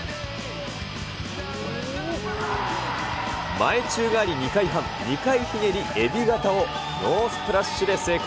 前宙返り２回半２回ひねりえび型をノースプラッシュで成功。